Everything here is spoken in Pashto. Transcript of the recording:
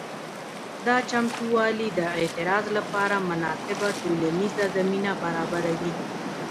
دا چمتووالي د اعتراض لپاره مناسبه ټولنیزه زمینه برابروي.